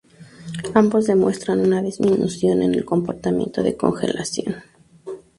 Ambos demuestran una disminución en el comportamiento de congelación.